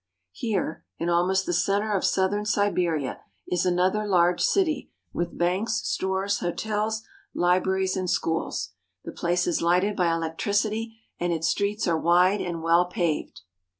Here, in almost the center of southern Siberia, is another large city with banks, stores,^ hotels, libraries, and schools. The place is lighted by electricity and its streets are wide and well paved.